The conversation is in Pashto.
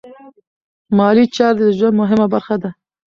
مالي چارې د ژوند مهمه برخه ده.